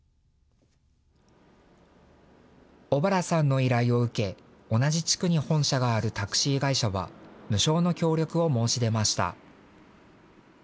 小原さんの依頼を受け同じ地区に本社があるタクシー会社は無償の協力を申し出ました。